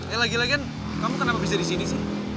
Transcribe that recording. eh lagian lagian kamu kenapa bisa di sini sih